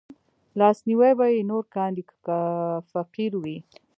لاسنيوی به يې نور کاندي که فقير وي